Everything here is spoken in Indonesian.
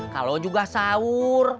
kalau juga sahur